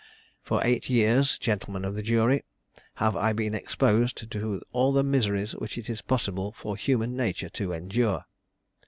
For eight years, gentlemen of the jury, have I been exposed to all the miseries which it is possible for human nature to endure.